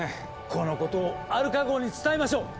このことをアルカ号に伝えましょう。